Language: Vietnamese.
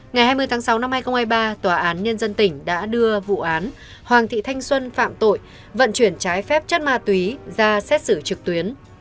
ngày hai mươi tháng sáu năm hai nghìn hai mươi ba tòa án nhân dân tỉnh đã đưa vụ án hoàng thị thanh xuân phạm tội vận chuyển trái phép chất ma túy ra xét xử trực tuyến